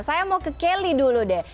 saya mau ke kelly dulu deh